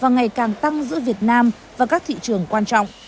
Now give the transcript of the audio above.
ngày càng tăng giữa việt nam và các thị trường quan trọng